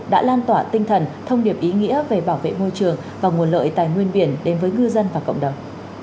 đã lan tỏa tinh thần thông điệp ý nghĩa về bảo vệ môi trường và nguồn lợi tài nguyên biển đến với ngư dân và cộng đồng